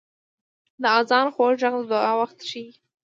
• د آذان خوږ ږغ د دعا وخت ښيي.